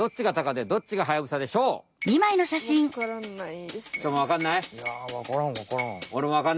いやわからんわからん。